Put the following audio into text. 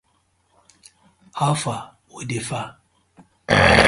How far wit di far?